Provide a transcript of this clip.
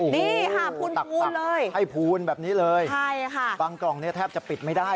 นี่ค่ะพูนเลยตักให้พูนแบบนี้เลยบางกล่องแทบจะปิดไม่ได้